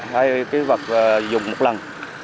hay cái vật dùng một lần